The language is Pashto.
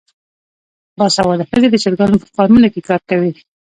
باسواده ښځې د چرګانو په فارمونو کې کار کوي.